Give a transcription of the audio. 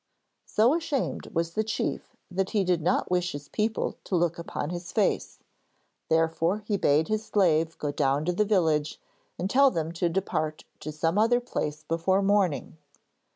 So ashamed was the chief that he did not wish his people to look upon his face, therefore he bade his slave go down to the village and tell them to depart to some other place before morning.